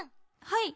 はい。